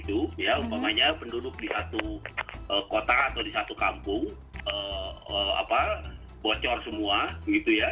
umpamanya penduduk di satu kota atau di satu kampung bocor semua gitu ya